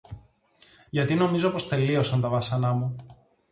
Γιατί νομίζω πως τελείωσαν τα βάσανα μου!